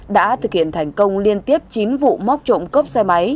đã thực hiện thành công liên tiếp chín vụ móc trộm cốc xe máy